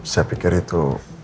saya pikir itu